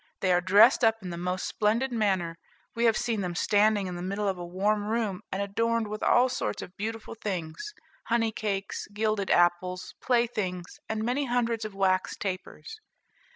They are dressed up in the most splendid manner. We have seen them standing in the middle of a warm room, and adorned with all sorts of beautiful things, honey cakes, gilded apples, playthings, and many hundreds of wax tapers."